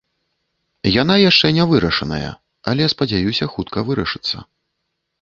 Яна яшчэ не вырашаная, але спадзяюся хутка вырашыцца.